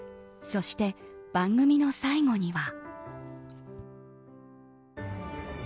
そして、番組の最後には。